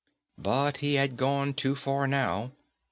But he had gone too far now.